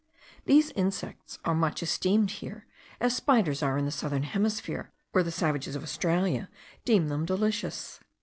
These insects are much esteemed here, as spiders are in the southern hemisphere, where the savages of Australia deem them delicious.